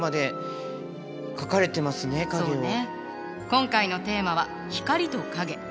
今回のテーマは「光と影」。